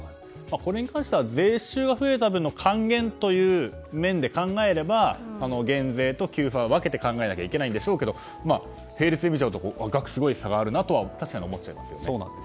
これに関しては税収が増えた分の還元という面で考えれば減税と給付は分けて考えなければいけないんでしょうけど並列で見ちゃうと額にすごい差があるなとは思っちゃいますね。